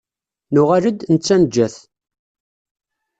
Nuɣal-d, netta neǧǧa-t.